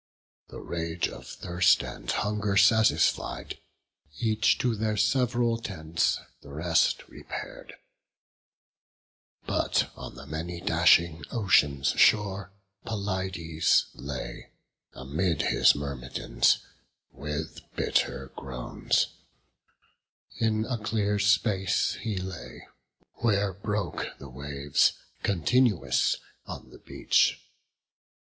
The rage of thirst and hunger satisfied, Each to their sev'ral tents the rest repair'd; But on the many dashing ocean's shore Pelides lay, amid his Myrmidons, With bitter groans; in a clear space he lay, Where broke the waves, continuous, on the beach.